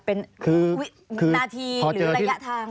เป็นวินาทีหรือระยะทาง